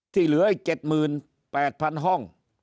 ที่เหลืออีก๗๘๐๐๐ห้อง